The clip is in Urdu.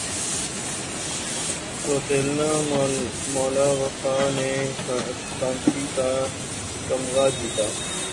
سویتلانا مالاخوفا نے کانسی کا تمغہ جیتا